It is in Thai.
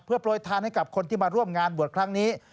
โปรยทานให้กับคนที่มาร่วมงานบวชครั้งนี้